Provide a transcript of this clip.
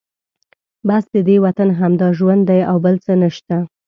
بس ددې وطن همدا ژوند دی او بل څه نشته.